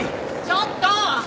ちょっと！